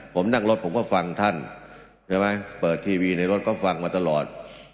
ผมนั่งรถผมก็ฟังท่านใช่ไหมเปิดทีวีในรถก็ฟังมาตลอด